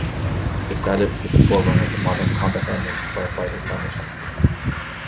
The sallet was the forerunner of the modern combat helmet and firefighter's helmet.